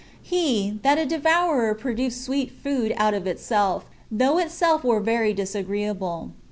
He, "That a devourer produced sweet food out of itself, though itself were very disagreeable."